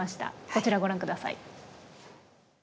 こちらご覧下さい。